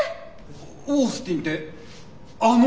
オースティンってあの？